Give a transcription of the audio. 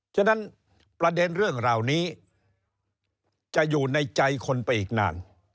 ฉะนั้นประเด็นเรื่องเหล่านี้จะอยู่ในใจคนไปอีกนาน